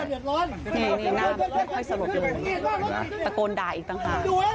นี่นี่น่ามันไม่ค่อยสลบลงประโกนด่าอีกต่างหาก